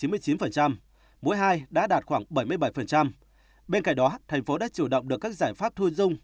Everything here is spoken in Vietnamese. mũi hai đã đạt khoảng bảy mươi bảy bên cạnh đó tp hcm đã chủ động được các giải pháp thu dung